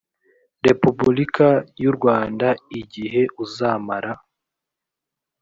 repubulika y u rwanda igihe uzamara